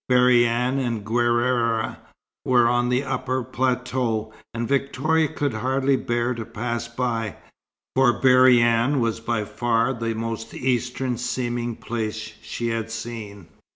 Berryan and Guerrara were on the upper plateau; and Victoria could hardly bear to pass by, for Berryan was by far the most Eastern seeming place she had seen.